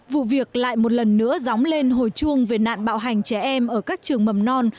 vụ việc lại một lần nữa dóng lên hồi chuông về nạn bạo hành trẻ em ở các trường mầm non